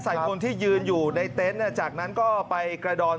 ใส่คนที่ยืนอยู่ในเต็นต์จากนั้นก็ไปกระดอน